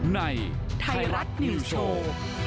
ในไทรัตนิวโชว์